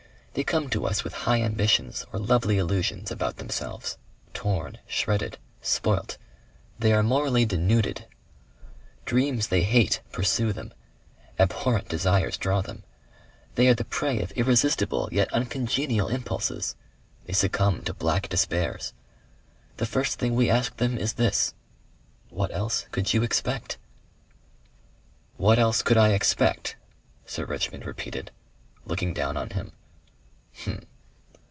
They come to us with high ambitions or lovely illusions about themselves, torn, shredded, spoilt. They are morally denuded. Dreams they hate pursue them; abhorrent desires draw them; they are the prey of irresistible yet uncongenial impulses; they succumb to black despairs. The first thing we ask them is this: 'What else could you expect?'" "What else could I expect?" Sir Richmond repeated, looking down on him. "H'm!"